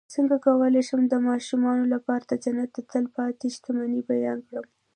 څنګه کولی شم د ماشومانو لپاره د جنت د تل پاتې شتمنۍ بیان کړم